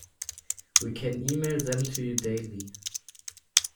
We can email them to you daily.